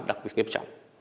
đặc biệt nghiêm trọng